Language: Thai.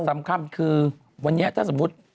สำคัญคือวันนี้ถ้าสมมุติ